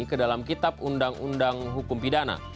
ke dalam kitab undang undang hukum pidana